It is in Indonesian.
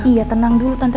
iya tenang dulu tante